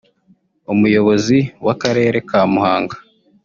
umuyobozi w’akarere ka Muhanga